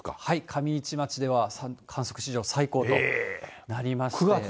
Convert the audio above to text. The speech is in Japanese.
上市町では観測史上最高となりまして。